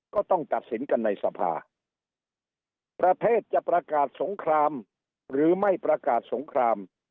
ก็ต้องตัดสินกันในสภาประเทศจะประกาศสงครามหรือไม่ประกาศสงคราม